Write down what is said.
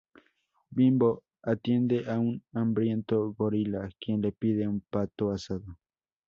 Bimbo atiende a un hambriento gorila, quien le pide un pato asado.